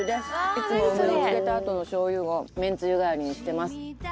いつも梅を漬けたあとのしょう油を麺つゆ代わりにしてます。